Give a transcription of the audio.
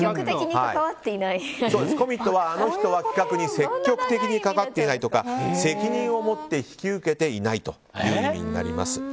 コミットはあの人は企画に積極的に関わっていないとか責任をもって引き受けていないという意味です。